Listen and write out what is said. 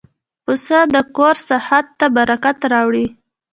پسه د کور ساحت ته برکت راوړي.